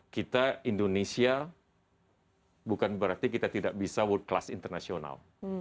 kita indonesia bukan berarti kita tidak bisa world class international